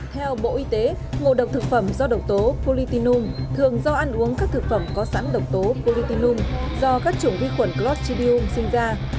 theo bộ y tế ngộ độc thực phẩm do độc tố politinum thường do ăn uống các thực phẩm có sẵn độc tố politium do các chủng vi khuẩn classidinum sinh ra